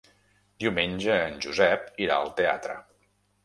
Diumenge en Josep irà al teatre.